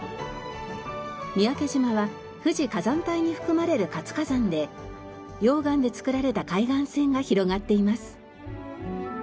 三宅島は富士火山帯に含まれる活火山で溶岩で作られた海岸線が広がっています。